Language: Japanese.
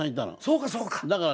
そうかそうか。